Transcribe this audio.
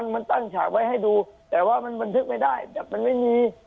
มันตั้งฉากไว้ให้ดูแต่ว่ามันบันทึกไม่ได้แต่มันไม่มี